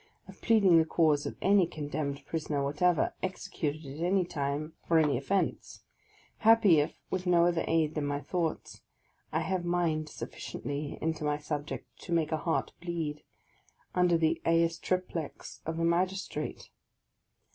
) of pleading the cause of any condemned prisoner whatever, executed at any time, for any offence; happy if, with no other aid than my thoughts, I have mined sufficiently into my subject to make a heart bleed, under the oes triplex of a magistrate